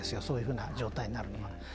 そういうふうな状態になるのは。